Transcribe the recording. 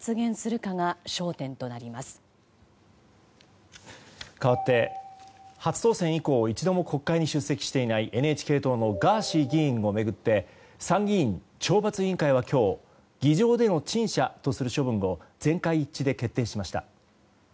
かわって、初当選以降一度も国会に出席していないＮＨＫ党のガーシー議員を巡って参議院懲罰委員会は今日議場での陳謝という処分を全会一致で決定しました。